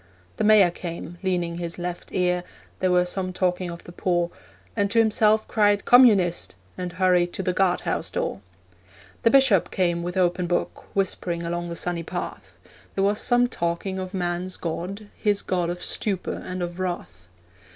The mayor came, leaning his left ear There were some talking of the poor And to himself cried, 'Communist!' And hurried to the guardhouse door. The bishop came with open book, Whispering along the sunny path; There was some talking of man's God, His God of stupor and of wrath.